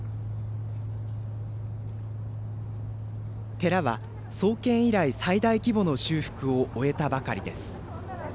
寺は創建以来、最大規模の修復を終えたばかりです。